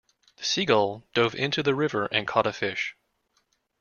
The seagull dove into the river and caught a fish.